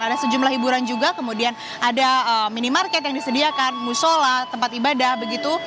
ada sejumlah hiburan juga kemudian ada minimarket yang disediakan musola tempat ibadah begitu